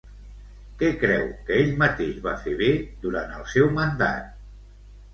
Què creu que ell mateix va fer bé durant el seu mandat?